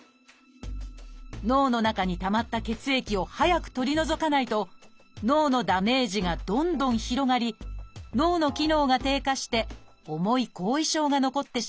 脳の中にたまった血液を早く取り除かないと脳のダメージがどんどん広がり脳の機能が低下して重い後遺症が残ってしまいます。